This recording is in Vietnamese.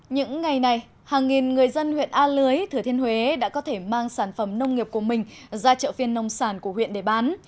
những ngày này hàng nghìn người dân huyện a lưới thừa thiên huế đã có thể mang sản phẩm nông nghiệp của mình ra chợ phiên nông sản của huyện để bán